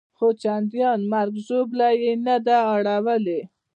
خو چندان مرګ ژوبله یې نه ده اړولې.